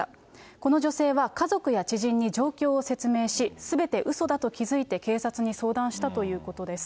この女性は、家族や知人に状況を説明し、すべてうそだと気づいて警察に相談したということです。